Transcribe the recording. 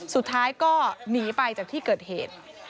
สุดท้ายก็หนีไปจากที่เกิดเหตุ